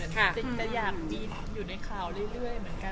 คนจะอยากอยู่ในคราวเรื่อยเหมือนกัน